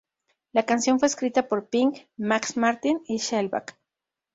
La canción fue escrita por Pink, Max Martin y Shellback.